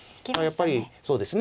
やっぱりそうですね。